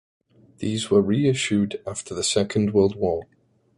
These were reissued after the Second World War.